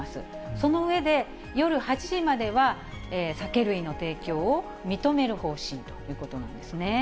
その上で、夜８時までは酒類の提供を認める方針ということなんですね。